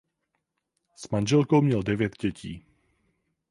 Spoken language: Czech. S manželkou měl devět dětí.